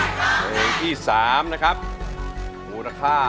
ร่องได้ร่องได้ร่องได้ร่องได้ร่องได้ร่องได้